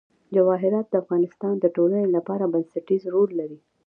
جواهرات د افغانستان د ټولنې لپاره بنسټيز رول لري.